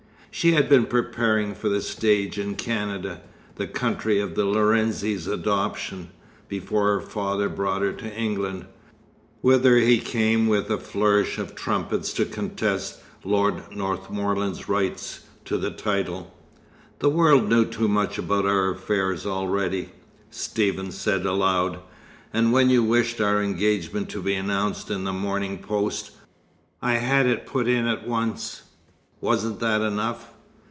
She had been preparing for the stage in Canada, the country of the Lorenzis' adoption, before her father brought her to England, whither he came with a flourish of trumpets to contest Lord Northmorland's rights to the title. "The world knew too much about our affairs already," Stephen said aloud. "And when you wished our engagement to be announced in The Morning Post, I had it put in at once. Wasn't that enough?"